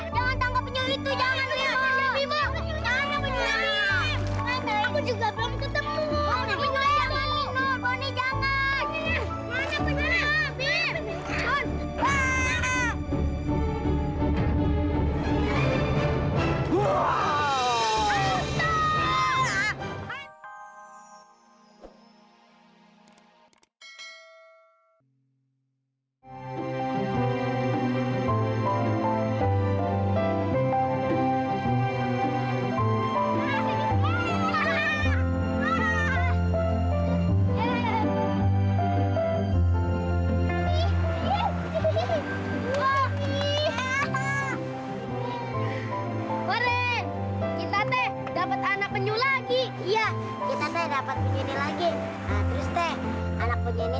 keren kita teh dapat anak penyu lagi iya kita dapat punya ini lagi terus teh anak punya ini